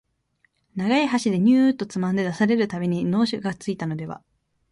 長い箸でニューッとつまんで出される度に能書がついたのでは、